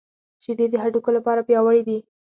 شیدې د هډوکو لپاره پياوړې دي